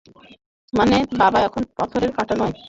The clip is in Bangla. মানে, বাবা এখন পথের কাঁটা নয়।